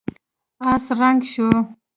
آس ړنګ شو.